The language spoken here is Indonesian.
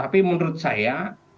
tapi menurut saya